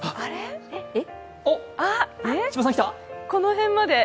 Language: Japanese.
この辺まで。